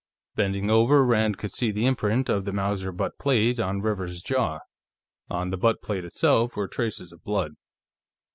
Bending over, Rand could see the imprint of the Mauser butt plate on Rivers's jaw; on the butt plate itself were traces of blood.